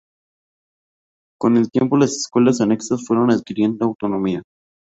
Con el tiempo, las escuelas anexas fueron adquiriendo autonomía.